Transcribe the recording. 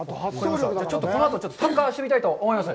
ちょっと、このあと参加してみたいと思います。